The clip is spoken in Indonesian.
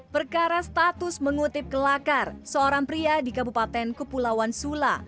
perkara status mengutip kelakar seorang pria di kabupaten kepulauan sula